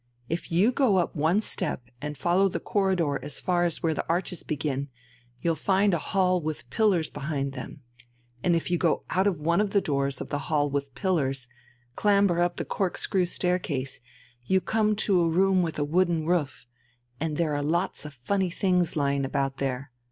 If you go up one step and follow the corridor as far as where the arches begin, you'll find a hall with pillars behind them, and if you go out of one of the doors of the hall with pillars clamber up the corkscrew staircase, you come to a room with a wooden roof; and there are lots of funny things lying about there.